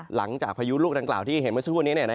พายุลูกดังกล่าวที่เห็นเมื่อสักครู่นี้